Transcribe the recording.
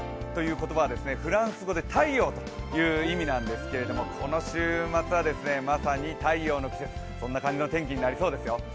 言葉はフランス語で太陽という意味なんですけれどもこの週末は、まさに太陽の季節、そんな感じの天気となりそうですよ。